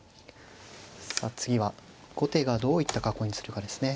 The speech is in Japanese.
さあ次は後手がどういった囲いにするかですね。